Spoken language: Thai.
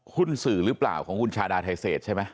หุ้นสื่อหรือเปล่าของคุณชาดาไทเศษใช่ไหม